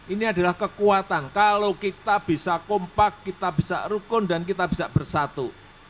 ini adalah kekuatan kalau kita bisa kompak kita bisa rukun dan kita bisa bersatu